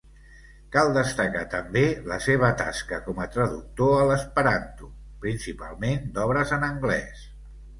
Cal destacar, també, la seva tasca com a traductor a l'esperanto, principalment d'obres en anglès.